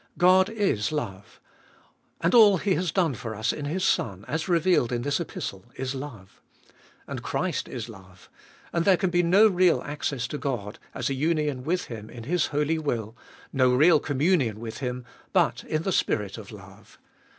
God is love. And all He has done for us in His Son, as revealed in this Epistle, is love. And Christ is love. And there can be no real access to God as a union with Him in His holy will, no real communion with Him, but in the Spirit of love.